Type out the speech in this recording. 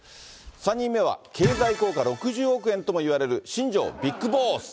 ３人目は経済効果６０億円ともいわれる新庄ビッグボス。